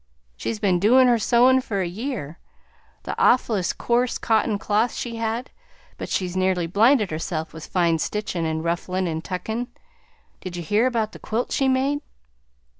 She's been doin' her sewin' for a year; the awfullest coarse cotton cloth she had, but she's nearly blinded herself with fine stitchin' and rufflin' and tuckin'. Did you hear about the quilt she made?